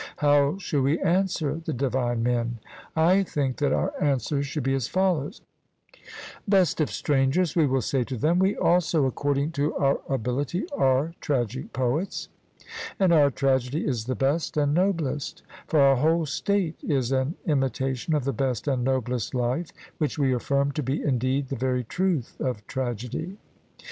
how shall we answer the divine men? I think that our answer should be as follows: Best of strangers, we will say to them, we also according to our ability are tragic poets, and our tragedy is the best and noblest; for our whole state is an imitation of the best and noblest life, which we affirm to be indeed the very truth of tragedy.